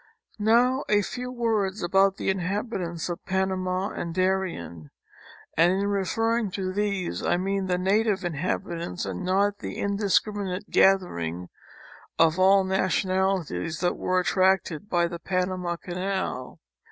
Now a few words about the inhabitants of Panama and Darien, and in referring to these I mean the native inhabitants and not the indiscriminate gathering of all nationalities that were attracted by the Panama Canal.